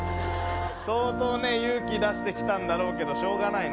相当ね、勇気出して来たんだろうけど、しょうがないね、